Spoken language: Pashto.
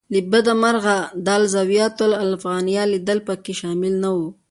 له بده مرغه د الزاویة الافغانیه لیدل په کې شامل نه و.